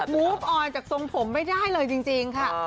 มูฟออนจากทรงผมไม่ได้เลยจริงค่ะ